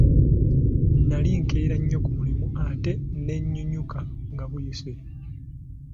Nali nkeera nnyo ku mulimu ate ne nnyinyuka nga buyise.